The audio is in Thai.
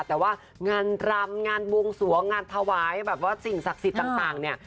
แต่ว่างานรำงานบวงสวงงานถวายแบบว่าสิ่งศักดิ์สิทธิ์ต่างเนี่ย